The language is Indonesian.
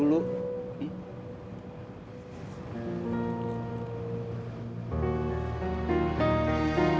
apa itu maksudnya